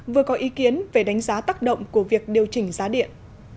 vừa có ý kiến về đánh giá tác động của việc điều chỉnh giá điện